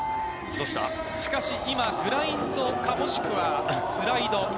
しかし今グラインドか、もしくはスライド。